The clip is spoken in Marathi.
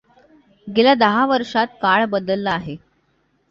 गेल्या दहा वर्षात काळ बदलला आहे.